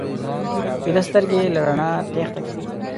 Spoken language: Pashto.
ویده سترګې له رڼا تېښته کوي